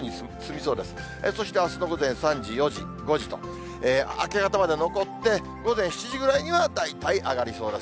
そしてあすの午前３時、４時、５時と、明け方まで残って、午前７時ぐらいには大体上がりそうです。